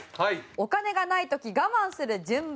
お金がない時我慢する順番。